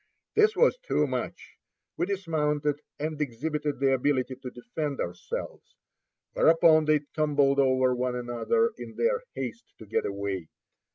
This was too much; we dismounted and exhibited the ability to defend 88 Across Asia on a Bicycle ourselves, whereupon they tumbled over one another in their haste to get away.